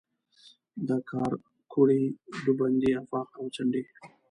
د کارکوړي، دوبندۍ آفاق او څنډي